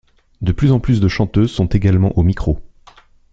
De plus en plus de chanteuses sont également au micro.